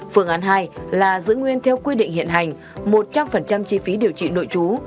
phương án hai là giữ nguyên theo quy định hiện hành một trăm linh chi phí điều trị nội trú